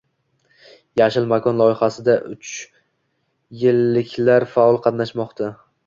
“Yashil makon” loyihasida uychiliklar faol qatnashmoqdang